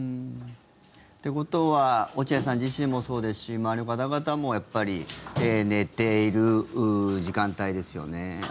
ってことは落合さん自身もそうですし周りの方々もやっぱり寝ている時間帯ですよね。